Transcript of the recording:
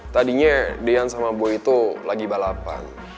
tadinya dian sama bu itu lagi balapan